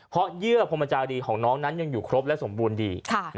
เพราะเยื่อพรมจารีของน้องนั้นยังอยู่ครบและสมบูรณ์ดี